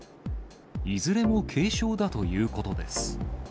いずれも軽症だということです。